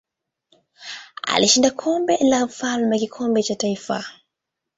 Alishinda Kombe la Mfalme kikombe cha kitaifa.